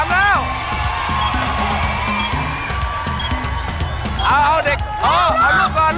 หรือเปลี่ยนลูกก่อน